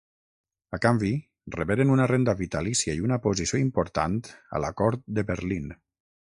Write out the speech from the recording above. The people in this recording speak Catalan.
A canvi, reberen una renda vitalícia i una posició important a la cort de Berlín.